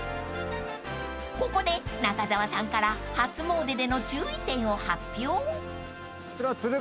［ここで中澤さんから初詣での注意点を発表］